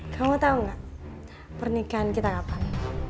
kamu tahu gak pernikahan kita ngapain